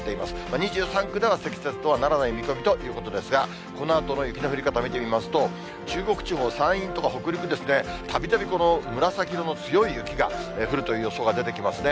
２３区では積雪とはならない見込みということですが、このあとの雪の降り方、見てみますと、中国地方、山陰とか北陸ですね、たびたびこの紫色の強い雪が降るという予想が出てきますね。